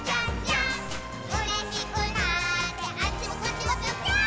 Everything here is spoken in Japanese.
「うれしくなってあっちもこっちもぴょぴょーん」